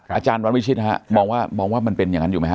อาจารย์วันวิชิตฮะมองว่ามันเป็นอย่างนั้นอยู่ไหมฮ